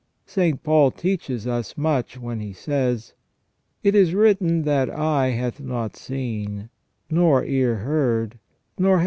St. Paul teaches us much when he says :" It is written that eye hath not seen, nor ear heard, nor hath it • S.